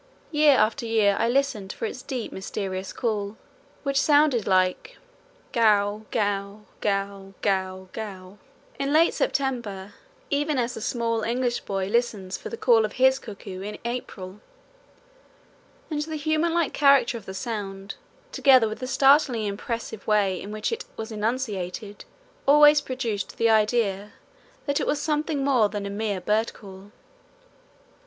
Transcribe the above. Year after year I listened for its deep mysterious call, which sounded like gow gow gow gow gow, in late September, even as the small English boy listens for the call of his cuckoo, in April; and the human like character of the sound, together with the startlingly impressive way in which it was enunciated, always produced the idea that it was something more than a mere bird call.